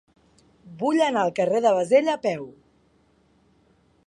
Vull anar al carrer de Bassella a peu.